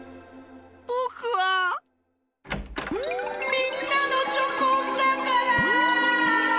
ぼくはみんなのチョコンだから！